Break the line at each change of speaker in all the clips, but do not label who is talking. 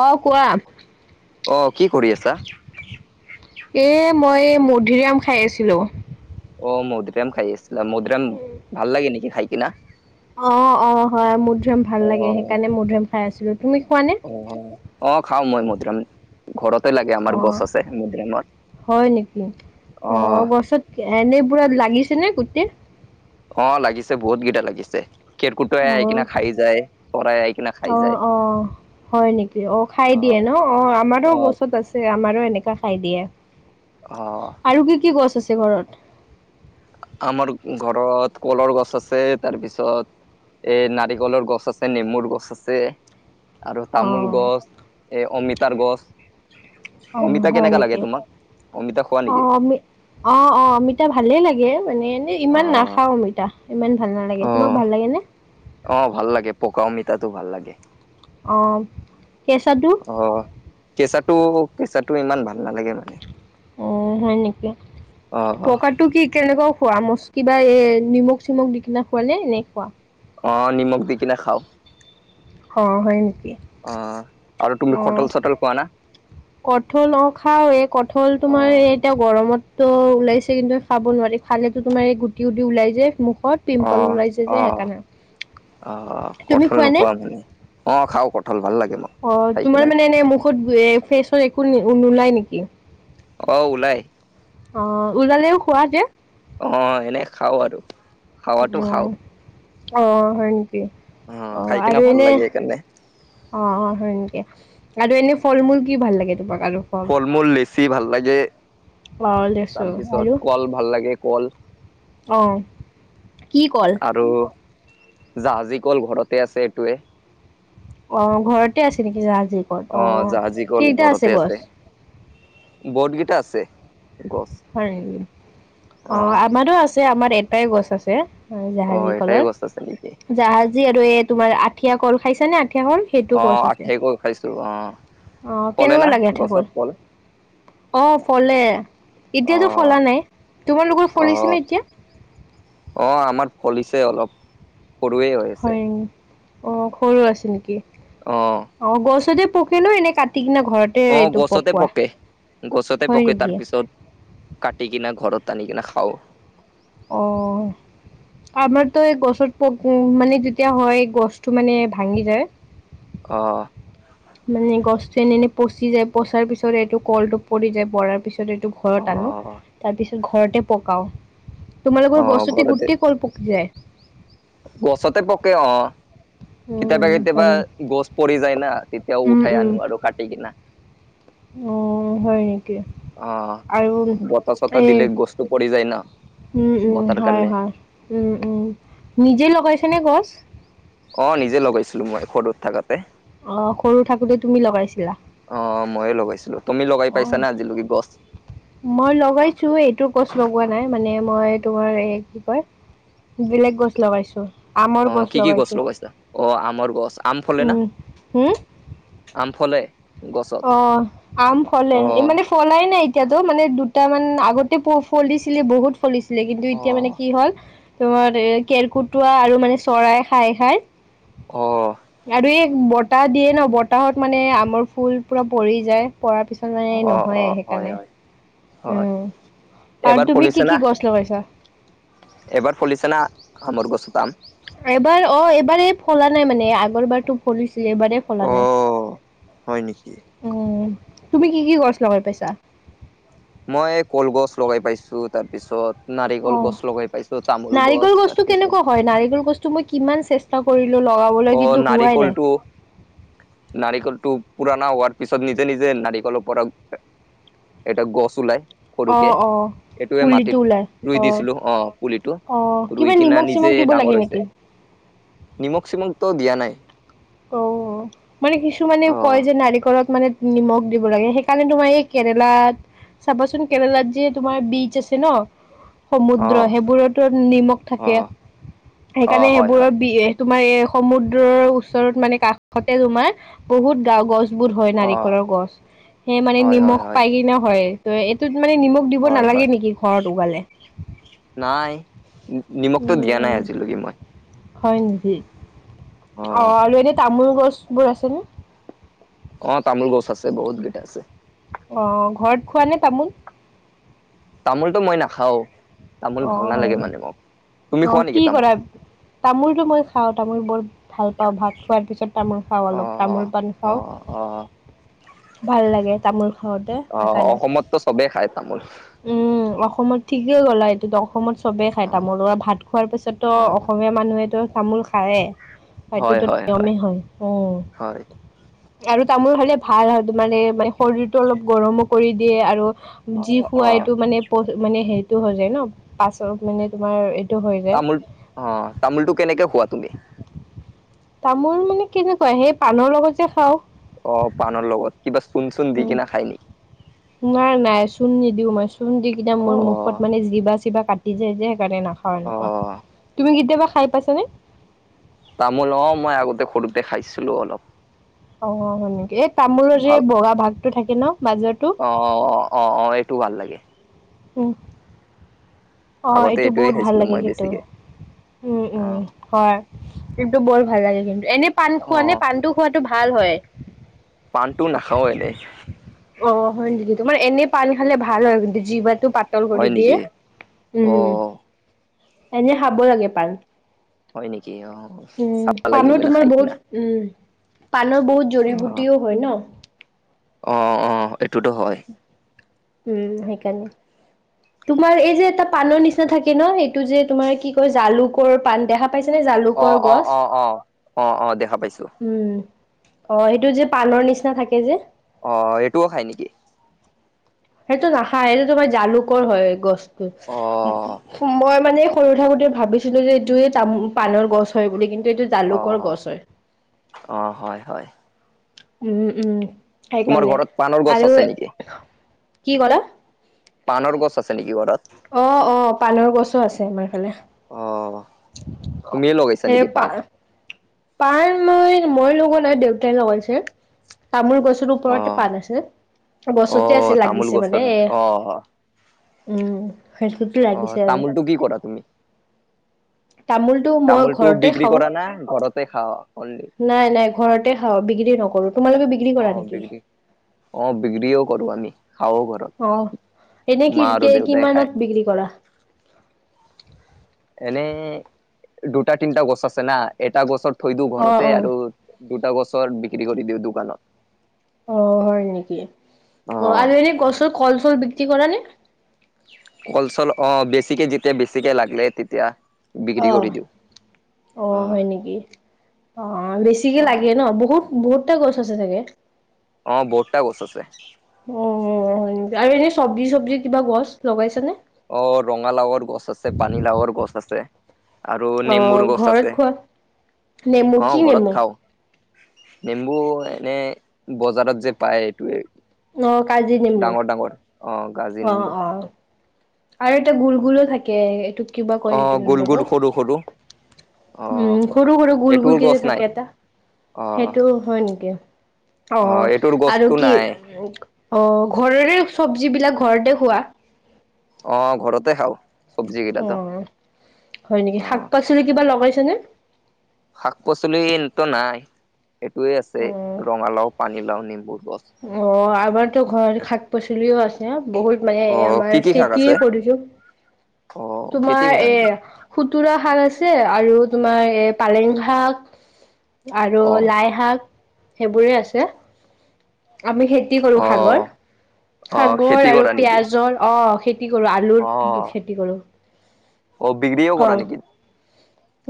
অ কোৱা
অ কি কৰি আছা
এ মই মধুৰিআম খাই আছিলো
অ মধুুৰিআম খাই আছিল মধুুৰিআম ভাল লাগে নেকি খাই কিনা
অ অ হয় মধুৰিআম ভাল
অ
লাগে সেইকাৰণে মধুৰিআম খাই আছিলো তুমি খোৱা নে
অ খাও মই মধুৰিআম ঘৰতে লাগে
অ
আমাৰ গছ আছে মধুৰিআমৰ
হয় নেকি অ
অহ
গছত এনে পুৰা লাগিছে নে গোটেই
অহ লাগিছে বহুত কেইটা লাগিছে কেৰকেটুৱাই
অ
আহি কিনা খাই যায় চৰাই আহি কিনা খাই
অ
যায়
অ হয় নেকি অহ খাই
অ
দিয়ে ন অহ আমাৰো
অ
গছত আছে আমাৰো এনেকা খাই দিয়ে
অ
আৰু কি কি গছ আছে ঘৰত
আমাৰ ঘৰত কলৰ গছ আছে তাৰপিছত এ নাৰিকলৰ গছ আছে নেমুৰ গছ আছে আৰু
অ
তামোল গছ এই অমিতাৰ
অ
গছ অমিতা
হয়
কেনেকা
নেকি
লাগে তোমাক অমিতা খোৱা
অ
নেকি
আমি অ অ অমিতা ভালে লাগে মানে এনে ইমান নাখাও
অ
অমিতা ইমান ভাল নালাগে তোমাক ভাল লাগেনে
অহ ভাল লাগে পকা অমিতাতো ভাল লাগে
অহ কেঁচাটো
অহ কেঁচাটো কেঁচাটো ইমান ভাল নালাগে মানে
অ হয় নেকি
অ অ
পকাটো কি কেনেকুৱা খোৱা মচ কিবা এ নিমখ চিমখ দি কিনা খুৱা নে এনে খুৱো
অ নিমখ দি কিনে খাও
হ হয় নেকি
অহ আৰু তুমি কঠাল চঠাল খোৱা না
কঠাল অ খাও এ কঠল
অ
তোমাৰ এই এতিয়া গৰমতটো ওলাইছে কিন্তু খাব নোৱাৰি খালেতো তোমাৰ এই গুটি গুটি ওলাই যে মুখত
অ
পিম্পল ওলাইছে যে
অ
সেইকাৰণে তুমি খোৱানে
অঁ খাওঁ কঠাল ভাল লাগে মোক
অঁ,
খাই
তোমাৰ
কিনে
মানে এনে মুখত, এ ফেচত একো নোলায় নেকি?
অহ, ওলাই।
অহ, ওলালেও খোৱা যে।
অঁ, এনে খাও আৰু। খাৱাতো
উম।
খাওঁ
অহ, হয় নেকি?
অ
অহ
খাই কিনে
আৰু
ভাল লাগে
এনে-
সেইকাৰণে
অঁ, অঁ, হয় নেকি আৰু এনে ফল মূল কি ভাল লাগে তোমাক আৰু?
ফল -মূল লেছি ভাল লাগে।
অ', লেচু
তাৰপিছত
আৰু
কল ভাল লাগে কল।
অ', কি কল?
আৰু জাহাজী কল ঘৰতে আছে এইটোৱে।
অঁ, ঘৰতে আছে নেকি জাহাজী? কল
অঁ,
অ',
জাহাজী কল
কেইটা
ঘৰতে
গছ?
আছে, বহুতকেইটা আছে গছ।
হয় নেকি?
অ
অঁ, আমাৰো আছে, আমাৰ এটাই গছ আছে-
অ
জাহাজী
এটাই
কলৰ।
গছ আছে নেকি
জাহাজী আৰু এই তোমাৰ আঠিয়া কল খাইছে নে আঠিয়া কল, সেইটোও গছ‌ আছে।
সেই কল খাইছো, অহ।
অ‌ঁ, কেনেকুৱা লাগে আঠিয়া কল? অঁ, ফলে-
অ
এতিয়াতো ফলা নাই। তোমালোকৰ ফলিছে নে এতিয়া?
অঁ, আমাৰ ফলিছে অলপ। সৰুৱেই হয়।
হয়। অঁ, সৰু আছে নেকি?
অহ।
অঁ, গছতে পকে ন, এনে কাটি কিনে ঘৰত?
অঁ, গছতে পকে, গছতে
হয়
পকে
নেকি
তাৰপিছত- কাটিকিনা, ঘৰত আনিকিনা খাওঁ।
অহ। আমাৰতো এই গছত পকো মানে যেতিয়া হয় গছতটো মানে ভাঙি যায়।
অহ।
মানে গছতো এনে এনেই পচি যায় পচাৰ পিছত এইটো কল টো পৰি যায় পৰাৰ পিছত- ত এইটো
অ
ঘৰত আনো তাৰপিছত ঘৰতে পকাও।
অ
তোমালোকৰ গছতে
ঘৰতে
গোটেই কল পকি যায়।
গছতে পকে অঁ। কেতিয়াবা
উম হয়
কেতিয়াবা
নি
গছ পৰি যায় না তেতিয়াও
উম
উঠাই আনো আৰু কাটি কিনা।
অঁ, হয়।
অঁ,
আৰু
বতাহ -চতাহ
এই
দিলে গছটো পৰি যায় ন।
উম, উম, হয়, হয়। উম, উম, নিজে লগাইছেনে গছ?
অ‌ঁ, নিজে লগাইছিলো মই সৰুত থাকোতে।
অঁ, সৰু থাকোতে তুমি লগাইছিলা।
অঁ, মইয়ে লগাইছিলো। তুমি লগাই
অ
পাইছা নে আজিলৈকে গছ?
মই লগাইছো এইটো গছ লগোৱা নাই মানে মই তোমাৰ এই কি কয়- বেলেগ গছ লগাইছো। আমৰ
অঁ, কি কি গছ
লগাইছো
ল'বাইছা, অঁ আমৰ গছ, আম ফলে না?
উম হম
আম ফলে। গছত
অঁ, আম ফলে।
অ
ই মানে- ফলাই নাই এতিয়াতো মানে দুটামান আগতে ফল দিছিলে বহুত। চলিছিলে কিন্তু
অ
এতিয়া মানে কি হ'ল- তোমাৰ এ কেৰকুটুৱা আৰু মানে চৰাই খাই খাই
অ
আৰু এই- বতাহ দিয়ে ন, বতাহত মানে আমৰ ফুল পুৰা পৰি যায় পৰাৰ পিছত মানে
অ অ
নহয়েই
হয়
সেইকাৰণে।
হয় হয়,
উম আৰু
এবাৰ
তুমি কি কি
ফুলিছেনা?
গছ লগাইছা
এবাৰ ফুলিচেনা, আমৰ গছতা আম?
এইবাৰ, অ' এইবাৰ এ ফুলা নাই মানে, আগৰ বাৰতো ফুলিছিলে, এইবাৰে ফুলা
অ
নাই।
হয় নেকি
উম, তুমি কি কি গছ লগাই পাইছা?
মই কলগছ লগাই পাইছোঁ, তাৰপিছত নাৰিকল
অ'।
গছ লগাই পাইছোঁ, তামোল গছ,
নাৰিকল গছটো
তাৰ পিছত
কেনেকুৱা হয়, নাৰিকল গছটো মই কিমান চেষ্টা কৰিলো লগাবলৈ,
অ
কিন্তু হোৱাই নাই।
নাৰিকলটো নাৰিকলটো পুৰণা হোৱাৰ পিছত নিজে নিজে নাৰিকলৰ পৰা এটা গছ ওলায়
অ', অ।
সেইইটোৱে
পুলিটো
মাটিত
ওলাই
ৰুই দিছিলো অ, পুলিটো,
অ'।
ৰুই
কিবা
কিনা
নিমখ
নিজে
চিমখ দিব লাগে
ডাঙৰ
নেকি?
হৈছে। নিমখ চিমখ তো দিয়া নাই।
উম মানে কিছুমানে
অ
কয় যে নাৰিকলত মানে নিমখ দিব লাগে, সেইকাৰণে তোমাৰ এই কেৰেলাত চাবচোন, কেৰেলাত যে তোমাৰ বিচ আছে ন
অ
সমুদ্ৰ, সেইবোৰতো নিমখ
অ
থাকে,
অ
সেইকাৰণে
হয় হয়
সেইবোৰৰ বি, এ তোমাৰ এই সমুদ্ৰৰ ওচৰত মানে কাষতে তোমাৰ, বহুত গাও গছ বহুত হয়
অ
নাৰিকলৰ গছ, সেই মানে
হয় হয়
নিমখ
হয়
পাই কিনে হয়, এইটোত মানে নিমখ দিব
হয় হয়
নালাগে নেকি, ঘৰত উভালে!
নাই, নিমখতো দিয়া
উম
নাই
উম
আজিলৈকে মই।
[inaudible] অ', আৰু এনে তামোল গছ বোৰ আছেনে?
অ' তামোল গছ আছে, বহুত কেইটা আছে।
অ', ঘৰত খোৱা নে তামোল?
তামোলটো মই নাখাওঁ, তামোল
অ
ভাল
হয়
নালাগে
ন
মানে মোক। তুমি
অ
খোৱা নেকি
কি
তামোল?
কৰা তামোলটো মই খাওঁ, তামোল বহুত ভাল পাওঁ, ভাত খোৱাৰ পিছত তামোল খাওঁ
অ
অলপ, তামোল পাণ
অ
খাওঁ।
অ অ
ভাল লাগে তামোল খাওঁতে,
অ
সেইকাৰণে
অসমততো চবেই খায় তামোল
উম, অসমত, ঠিকেই কলা এইটো, অসমত চবেই খাই তামোল। অ, ভাত খোৱাৰ পিছততো
অ',
অসমীয়া মানুহেতো তামোল খায়েই।
হয়,
সেইটোতো
হয়,
নিয়মেই হয়, উম
হয়,
আৰু তামোল খালে ভাল হয়, মানে, মানে শৰীৰটো অলপ গৰমো কৰি দিয়ে আৰু যি
অ',
খোৱা
অ',
এইটো মানে, মানে হেৰিতো হৈ যায় ন, পাছনটো মানে তোমাৰ হৈ যায়
তামোল, অ', তামোলটো কেনেকে খোৱা তুমি?
তামোল মানে কেনেকুৱা, হেই পাণৰ লগত যে খাওঁ
অ, পাণৰ লগত, কিবা চূন চূন দি
উম,
কিনে খাই নেকি?
নাই, নাই, চূণ নিদিও মই। চূণ দি কিবা মোৰ মুখত
অ',
মানে জিভা চিভা কাট টি যায় যে, সেইকাৰণে নাখাওঁ এনেকুৱা।
অ',
তুমি কেতিয়াবা খাই পাইছা নে?
তামোল, অ', মই আগতে সৰুতে খাইছিলো অলপ।
অ', হয় নেকি? এই তামোলৰ যে
ভাল
বগা ভাগ টো থাকে ন, মাজৰতো
অ, অ, অ, অ, এইটো ভাল লাগে।
উম অ',
আগতে
এইটো
এইটোয়ে
বহুত ভাল
খাইছিলোঁ
লাগে
মই
কিন্তু।
বেছিকে।
উম, উম।
অ',
হয় কিন্তু বৰ ভাল লাগে কিন্তু এনে পাণ খোৱা নে
অ',
পাণটো খোৱাটো ভাল হয়?
পাণটো নাখাওঁ এনেই।
অ হয় নেকি, তোমাৰ এনে পান খালে ভাল হয় কিন্তু জিভাতো পাত পাতল কৰি
হয়
দিয়ে,
নেকি?
উম
অ',
এনে খাব লাগে পান।
হয় নেকি অ, চাবা লাগিব ন
তোমাৰ
খাই
বহুত
কিনা।
উম, পানৰ বহুত
অ',
জৰিবুটিও হয় ন?
অ অ এইটোতো হয়।
উম সেইকাৰনে। তোমাৰ এই যে এটা পাণৰ নিচিনা থাকে ন এইটো যে তোমাৰ কি কয় জালুকৰ পান দেখাত পাইছেনে
অ',
জালুকৰ
অ',
গছ?
অ', অ', অ', অ', দেখা পাইছোঁ।
উম। অ সেইটো যে পানৰ নিচিনা থাকে যে?
অ এইটোও খাই নেকি?
সেইটো নাখায়, এইটো তোমাৰ জালুকৰ হয় গছটো।
অ
মই মানে সৰু থাকোতে ভাবিছিলো যে এইটোয়ে তামো পানৰ গছ হয় বুলি কিন্তু এইটো
অ
জালুকৰ গছ হয়।
অ, অ হয় হয়।
উম উম
তোমাৰ
সেইকাৰণে
ঘৰত পাণৰ গছ
আৰু
আছে নেকি
কি কলা?
পানৰ গছ আছে নেকি ঘৰত?
অ অ, পানৰ গছো আছে আমাৰফালে।
অ তুমিয়ে লগাইছা নেকি পান?
পান মই মই লগোৱা নাই দেউতাই লগাইছে। তামোল গছৰ
অ
ওপৰতে পাণ আছে,
অ
গছতে আছে
তামোল
লাগিছে
গছৰ
মানে এ
অ
উম সেইটোতে
অ
লাগিছে আৰু।
তামোলটো কি কৰা তুমি
তামোলটো মই
তামোলটো
ঘৰতে
বিক্ৰী
খাওঁ।
কৰা না ঘৰতে খাৱা অনলি
নাই নাই ঘৰতে খাওঁ বিক্ৰী নকৰো, তোমালোকে বিক্ৰী
অ
কৰা নেকি?
বিক্ৰী অ বিক্ৰীও কৰো আমি, খাওঁ ঘৰত।
অ, এনে কি
মা আৰু
কে
দেউতাই খায়
কিমানত বিক্ৰী কৰা?
এনেই দুটা, তিনিটা গছ আছে না, এটা গছত থৈ দিওঁ
অ',
ঘৰতে
অ',
আৰু দুটা গছৰ বিক্ৰী কৰি দিওঁ দোকানত।
অ হয় নেকি? অ আৰু এনে গছৰ কল - চল বিক্ৰী কৰা নে?
কল - চল অ, বেছিকে যেতিয়া বেছিকে লাগিলে তেতিয়া। বিক্ৰী
অ,
কৰি দিওঁ।
অ হয় নেকি? অ বেছিকে লাগে ন বহুত বহুতটা গছ আছে চাগে?
অ বহুতটা গছ আছে।
অ অ অ অ আৰু এনেই চব্জি - চব্জি কিবা গছ লগাইছা নে?
অ ৰঙালাওৰ গছ আছে, পানীলাওৰ গছ আছে। আৰু
অ',
নেমুৰ গছ
ঘৰত
আছে,
খোৱা নেমু
অ
কি নেমু?
ঘৰত খাও। নেম্বু এনে বজাৰত যে পায় এইটোৱে।
অ', কাজি নেমু।
ডাঙৰ ডাঙৰ, অ কাজি
অ',
নিম্বু।
অ', আৰু এটা গোল গোলো থাকে, এইটোক কিবা কয়
অ
সেইটো
গোল গোল
নিম্বটো?
সৰু সৰু অ
উম, সৰু সৰু গুল
এইটোৰ
গুল কে
গছ
যে
নাই
থাকে এটা?
অ
সেইটো হয় নেকি? অ
এইটোৰ
আৰু
গছটো
কি
নাই
উ অ, ঘৰৰে চব্জবিলাক ঘৰতে খোৱা?
অ ঘৰতে খাও।
অ, হয় নেকি?
অ
শাক - পাচলি কিবা লগাইছেনে?
শাক - পাচলি ত নাই, এইটোৱে আছে
অ
ৰঙালাও, পানীলাও, নেম্বুৰ গছ।
অঁ আমাৰতো ঘৰত শাক পাচলিও আছে বহুত মানে
অ'
আমাৰ
কি কি শাক আছে?
খেতিয়ে কৰিছোঁ।
অ' খেতি
তোমাৰ
কৰা
এ
নেকি?
খুতুৰা শাক আছে আৰু তোমাৰ এ পালেং শাক। আৰু
অ'
লাই শাক সেইবোৰে আছে আমি হেই- খেতি কৰো সাগৰ
অ' অ' খেতি
সাগৰ আৰু
কৰা নেকি?
পিয়াজৰ অঁ সেই- খেতি কৰো আলুৰ খেতি কৰো।
অঁ বিক্ৰীও
অ
কৰা নেকি?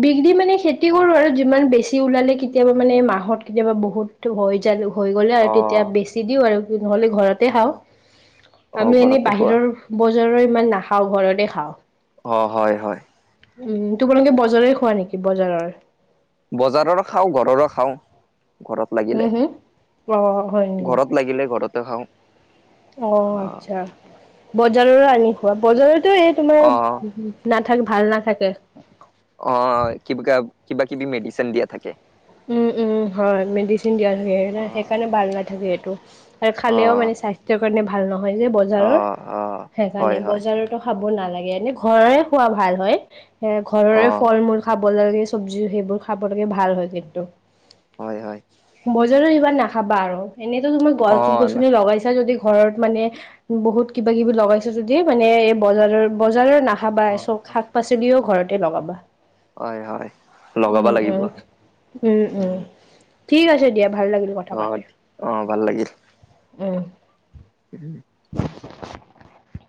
বিক্ৰী মানে খেতি
অ'
কৰো আৰু যিমান বেছি- বেছিকে ওলালে কেতিয়াবা মানে মাহত কেতিয়াবা বহুত হৈ যা হৈ গ'লে আৰু তেতিয়া
অ'
বেছি দিওঁ আৰু। নহলে ঘৰতে খাওঁ
অ' অ'
আমি এনেই
ঘৰতে খোৱা।
বাহিৰৰ- বজাৰৰ ইমান নাখাওঁ ঘৰতে খাওঁ।
অঁ হঁয় হয়ঁ।
উমঁ তোমালোকে বজাৰ খোৱা নেকি বজাৰৰ।
বজাৰৰ খাওঁ ঘৰৰো খাওঁ। ঘৰত
হুম
লাগিলে
হুম অ হয় নেকি
ঘৰত লাগিলে ঘৰতে খাওঁ।
অঁ
অ'
আচ্ছা বজাৰৰো আনি খাৱা বজাৰতো এই
অ'
তোমাৰ- নাথাক ভাল নাথাকে।
অঁ কিব কা কিবা কিবি মেডিচিন দিয়া থাকে।
উমঁ উমঁ হঁয় মেডিচিন দিয়া থাকে
অ'
সেইকাৰণে ভাল নাথাকে সেইটো। আৰু খালেও
অ'
মানে স্বাস্থ্যৰ কাৰণে ভাল নহয় যে বজাৰৰ
অ' অ' হয়
সেইকাৰণে
হয়
বজাৰত। এতো খাব নালাগে এনেই ঘৰৰ খোৱা ভাল হয় ঘৰৰে
অ'
ফল মূল। খাব লাগে চব্জি সেইবোৰ খাব লাগে ভাল হয় কিন্তু।
হয়ঁ হয়ঁ।
বজাৰৰ এইবাৰ নাখাবা আৰু এনেতো তুমাৰ গছ
অ'
গছনি লগাইছা যদি- ঘৰত মানে বহুত কিবা কিবি লগাইছো যদি মানে এই বজাৰৰ বজাৰৰ না খাবা চব শাক পাচলিও ঘৰতে লগাবা।
হয়ঁ হয়ঁ লগাব লাগিব।
উমঁ
উম
উমঁ ঠিক আছে দিয়া ভাল লাগিল কথা
অ
পাতি।
অ ভাল
উমঁ।
ওসো
[unintelligible]